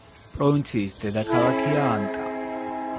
პროვინციის დედაქალაქია ანტა.